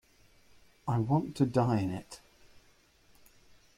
I want to die in it.